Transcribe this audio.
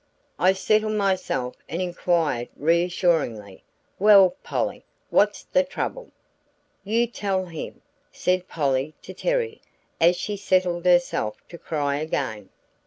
I settled myself and inquired reassuringly, "Well, Polly, what's the trouble?" "You tell him," said Polly to Terry, as she settled herself to cry again.